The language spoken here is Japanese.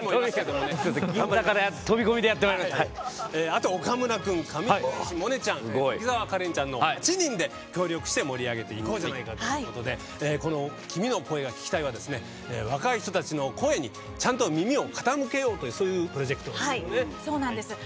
あと岡村君上白石萌歌ちゃん滝沢カレンちゃんの８人で協力して盛り上げていこうじゃないかということで「君の声が聴きたい」は若い人たちの声に、ちゃんと耳を傾けようというそういうプロジェクトなんですね。